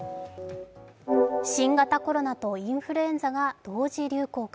新型コロナとインフルエンザが同時流行か。